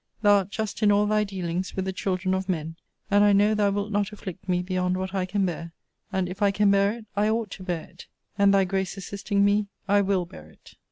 Thou art just in all thy dealings with the children of men; and I know thou wilt not afflict me beyond what I can bear: and, if I can bear it, I ought to bear it; and (thy grace assisting me) I will bear it.